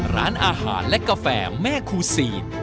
ร้านอาหารและกาแฟแม่คูซีน